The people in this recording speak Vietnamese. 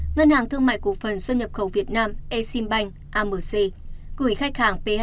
ngân hàng thương mại cụ phần xuân nhập khẩu việt nam exim bank amc gửi khách hàng pha